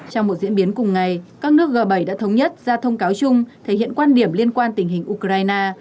trong một diễn biến cùng ngày các nước g bảy đã thống nhất ra thông cáo chung thể hiện quan điểm liên quan tình hình ukraine